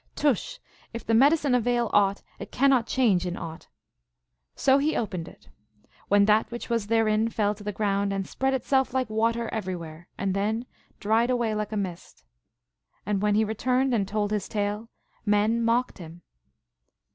Tush! if the medicine avail aught it cannot change in aught." So he opened it, when that which was therein fell to the ground, and spread it self like water everywhere, and then dried away like a mist. And when he returned and told his tale, men mocked him.